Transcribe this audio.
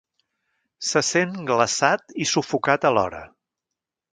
Se sent glaçat i sufocat alhora.